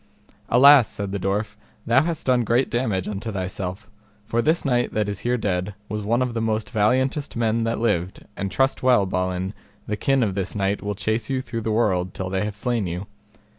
Alas, said the dwarf, thou hast done great damage unto thyself, for this knight that is here dead was one of the most valiantest men that lived, and trust well, Balin, the kin of this knight will chase you through the world till they have slain you.